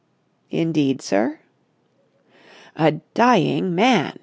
"Indeed, sir?" "A dying man!"